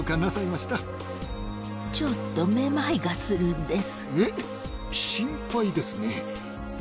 ちょっとめまいがするんです。